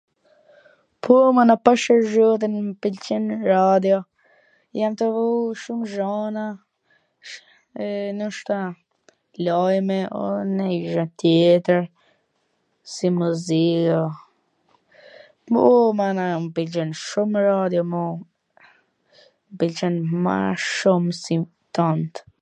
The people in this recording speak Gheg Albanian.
Po mana pasha zhotin mw pwlqen radio, jam tu luj shum gjana e noshta luj me nanj gja tjetwr, si muzio, o mana m pwlqen shum radio mu, m pwlqen ma shum si t tant.